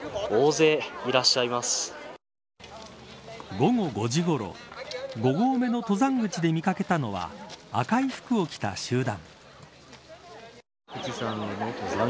午後５時ごろ５合目の登山口で見掛けたのは赤い服を着た集団。